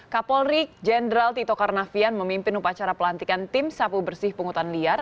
kapolri jenderal tito karnavian memimpin upacara pelantikan tim sapu bersih pungutan liar